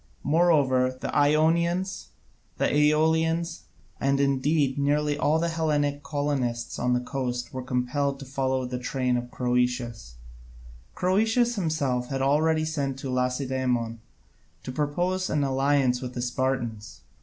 Moreover, the Ionians, and Aeolians, and indeed nearly all the Hellenic colonists on the coast were compelled to follow in the train of Croesus. Croesus himself had already sent to Lacedaemon to propose an alliance with the Spartans.